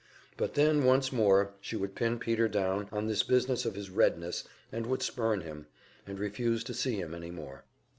But then once more she would pin Peter down on this business of his Redness, and would spurn him, and refuse to see him any more.